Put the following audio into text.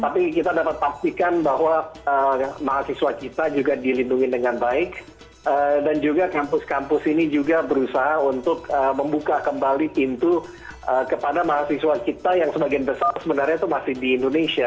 tapi kita dapat pastikan bahwa mahasiswa kita juga dilindungi dengan baik dan juga kampus kampus ini juga berusaha untuk membuka kembali pintu kepada mahasiswa kita yang sebagian besar sebenarnya itu masih di indonesia